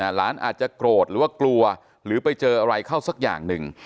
หลานอาจจะโกรธหรือว่ากลัวหรือไปเจออะไรเข้าสักอย่างหนึ่ง